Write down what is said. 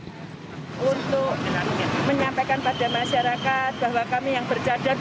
mereka juga mengutuk aksi teroris ini tidak beragama